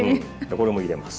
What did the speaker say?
これも入れます。